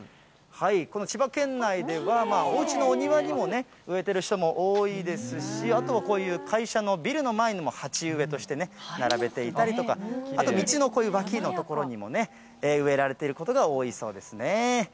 この千葉県内では、おうちのお庭にも植えている人も多いですし、あとはこういう、会社のビルの前にも、鉢植えとして並べていたりとか、あと、道のこういう脇の所にもね、植えられていることが多いそうですね。